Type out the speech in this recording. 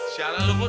siaran lu mut